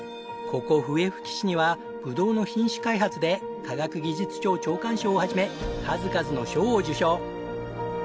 ここ笛吹市にはぶどうの品種開発で科学技術庁長官賞を始め数々の賞を受賞！